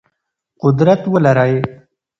قدرت ولرئ.